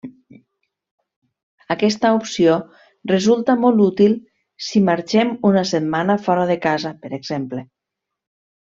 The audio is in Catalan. Aquesta opció resulta molt útil si marxem una setmana fora de casa per exemple.